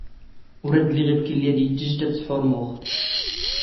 ⵓⵔ ⴰⴷⵍⵍⵉ ⵖⵉⴼⴽ ⵉⵍⵍⵉ ⴰⴷ ⵉⵢⵉ ⵜⵊⵊⴷ ⴰⴷ ⵙⵃⵓⵕⵎⵓⵖ.